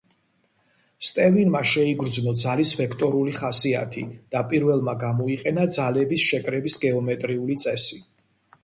სტევინმა შეიგრძნო ძალის ვექტორული ხასიათი და პირველმა გამოიყენა ძალების შეკრების გეომეტრიული წესი.